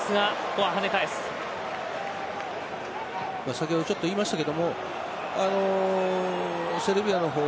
先ほどちょっと言いましたけれどもセルビアの方